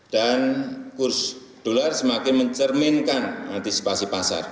dan kursus dolar semakin mencerminkan antisipasi pasar